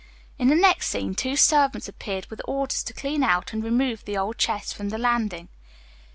In the next scene two servants appeared with orders to clean out and remove the old chest from the landing.